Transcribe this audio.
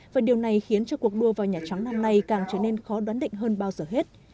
và điều này khiến cho cuộc đua vào nhà trắng năm nay càng trở nên khó đoán định hơn bao giờ hết